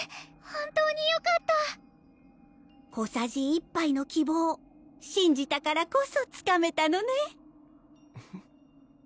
本当によかった小さじ一杯の希望しんじたからこそつかめたのね